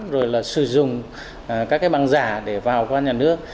rồi là sử dụng các cái bằng giả để vào các nhà nước